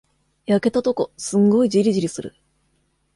焼けたとこ、すんごいじりじりする。